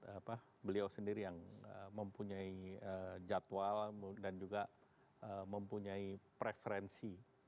apa beliau sendiri yang mempunyai jadwal dan juga mempunyai preferensi